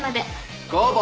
ご応募